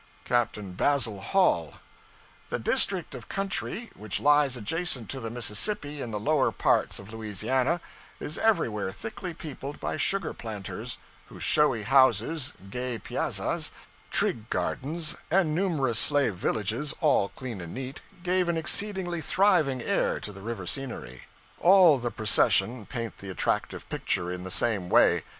Captain Basil Hall 'The district of country which lies adjacent to the Mississippi, in the lower parts of Louisiana, is everywhere thickly peopled by sugar planters, whose showy houses, gay piazzas, trig gardens, and numerous slave villages, all clean and neat, gave an exceedingly thriving air to the river scenery. All the procession paint the attractive picture in the same way.